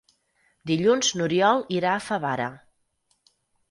Dilluns n'Oriol irà a Favara.